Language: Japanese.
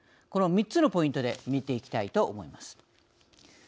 この３つのポイントで見ていきたいと思います。